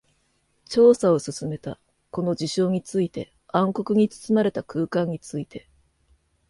調査を進めた。この事象について、暗黒に包まれた空間について。